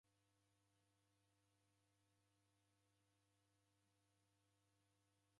Mlungu oumba mdamu kwa fwana yape cheni.